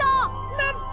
なんと！